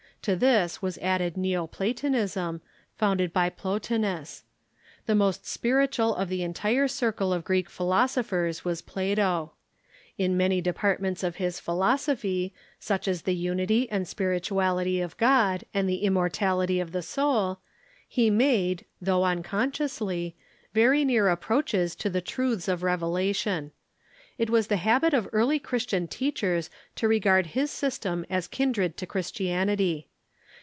To this was added Neo Platonism, founded by Plotinus. The most spiritual of the entire circle of Greek philosophers Avas Plato. In many departments of his philosophy, such as the THE GREEK AND ROMAN CONDITIONS 11 unity and spirituality of God and the immortality of the soul, he made, though unconsciously, very near appi'oachcs to the truths of revelation. It was the habit of early Christian teachers to regard his system as kindred to Christianity.